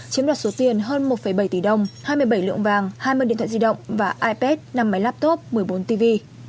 chiếm đoạt số tiền hơn một bảy tỷ đồng hai mươi bảy lượng vàng hai mươi điện thoại di động và ipad năm máy laptop một mươi bốn tv